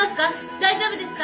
大丈夫ですか？